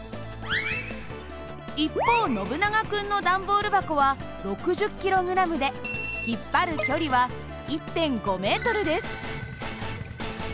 一方ノブナガ君の段ボール箱は６０ｋｇで引っ張る距離は１．５ｍです。